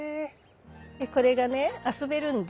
でこれがね遊べるんだ。